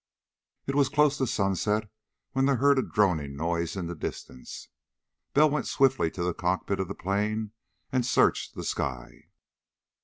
It was close to sunset when they heard a droning noise in the distance. Bell went swiftly to the cockpit of the plane and searched the sky.